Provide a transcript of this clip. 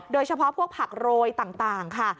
เฉพาะพวกผักโรยต่างค่ะ